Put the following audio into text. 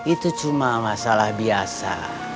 itu cuma masalah biasa